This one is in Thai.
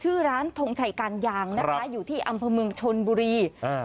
ชื่อร้านทงชัยการยางนะคะอยู่ที่อำเภอเมืองชนบุรีอ่า